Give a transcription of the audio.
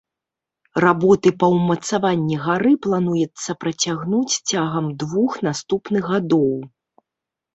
Работы па ўмацаванні гары плануецца працягнуць цягам двух наступных гадоў.